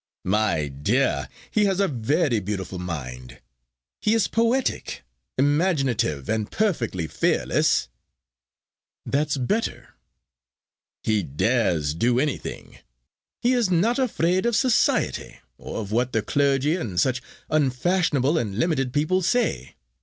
"My dear, he has a very beautiful mind. He is poetic, imaginative, and perfectly fearless." "That's better." "He dares do anything. He is not afraid of Society, or of what the clergy and such unfashionable and limited people say.